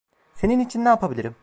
Senin için ne yapabilirim?